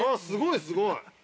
すごいすごい。